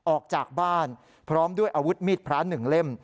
ออกจากบ้านพร้อมด้วยอาวุธมีดพระ๑เล่ม